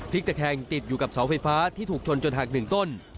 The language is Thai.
ตะแคงติดอยู่กับเสาไฟฟ้าที่ถูกชนจนหักหนึ่งต้น